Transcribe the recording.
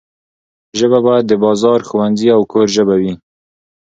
ژبه باید د بازار، ښوونځي او کور ژبه وي.